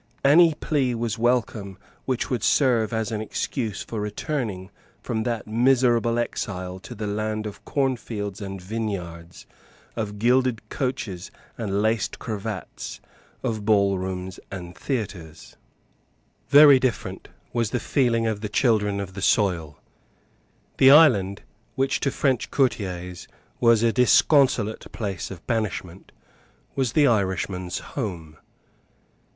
Any plea was welcome which would serve as an excuse for returning from that miserable exile to the land of cornfields and vineyards, of gilded coaches and laced cravats, of ballrooms and theatres, Very different was the feeling of the children of the soil. The island, which to French courtiers was a disconsolate place of banishment, was the Irishman's home.